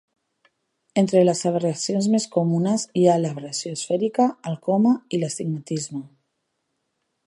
Entre les aberracions més comunes hi ha l'aberració esfèrica, el coma i l'astigmatisme.